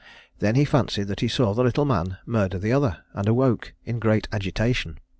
He then fancied that he saw the little man murder the other, and awoke in great agitation.